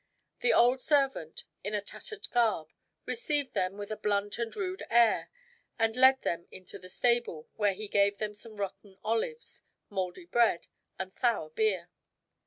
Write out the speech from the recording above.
An old servant, in a tattered garb, received them with a blunt and rude air, and led them into the stable, where he gave them some rotten olives, moldy bread, and sour beer.